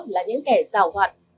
là những kẻ xào hoạn